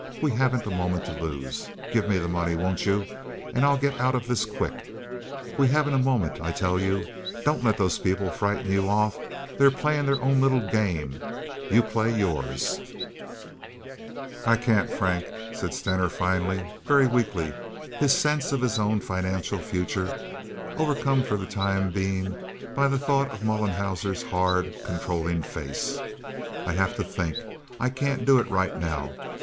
We haven't a moment to lose. Give me the money, won't you, and I'll get out of this quick. We haven't a moment, I tell you. Don't let those people frighten you off. They're playing their own little game; you play yours." "I can't, Frank," said Stener, finally, very weakly, his sense of his own financial future, overcome for the time being by the thought of Mollenhauer's hard, controlling face. "I'll have to think. I can't do it right now.